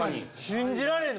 信じられへん